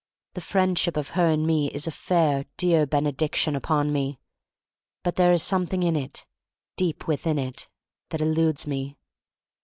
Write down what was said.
The Friendship of her and me is a fair, dear benediction upon me, but there is something in it — deep within it — that eludes me.